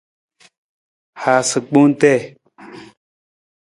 Haasa gbong tii.